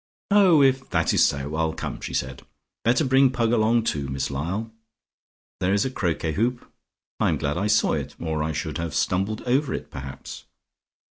"Oh, if that is so, I will come," said she. "Better bring Pug along, too, Miss Lyall. There is a croquet hoop. I am glad I saw it or I should have stumbled over it perhaps.